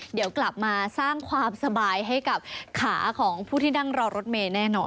เดี๋ยวกลับมาสร้างความสบายให้กับขาของผู้ที่นั่งรอรถเมย์แน่นอน